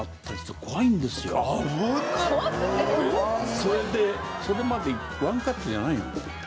それでそれまでワンカットじゃないの。